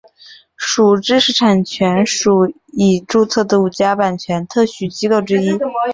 属知识产权署已注册的五家版权特许机构之一。